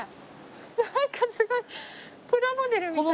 なんかすごいプラモデルみたい。